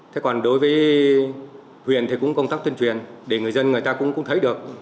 thế còn đối với huyện thì cũng công tác tuyên truyền để người dân người ta cũng thấy được